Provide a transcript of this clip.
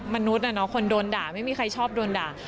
มนุษย์คนโดนด่าไม่มีใครชอบโดนด่า